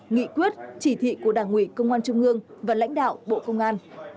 nghị quyết chỉ thị của đảng ủy công an trung ương và lãnh đạo bộ công an